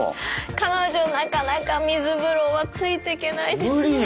彼女なかなか水風呂はついてけないですね。